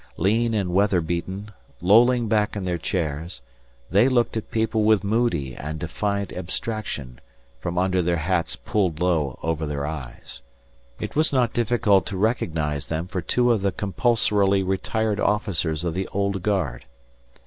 Lean and weather beaten, lolling back in their chairs, they looked at people with moody and defiant abstraction from under their hats pulled low over their eyes. It was not difficult to recognise them for two of the compulsorily retired officers of the Old Guard.